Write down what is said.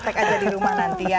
aku praktek aja di rumah nanti ya